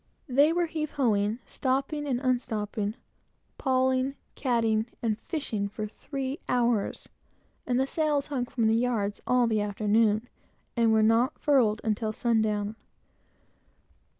They were heave ho ing, stopping and unstopping, pawling, catting, and fishing, for three hours; and the sails hung from the yards all the afternoon, and were not furled until sundown.